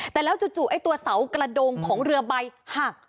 แต่แล้วจู่ไอ้ตัวเสากระโดงของเรือใบหัก